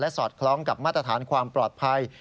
สอดคล้องกับมาตรฐานความปลอดภัย